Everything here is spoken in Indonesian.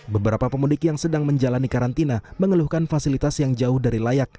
beberapa pemudik yang sedang menjalani karantina mengeluhkan fasilitas yang jauh dari layak